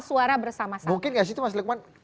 suara bersama sama mungkin gak sih itu mas lekman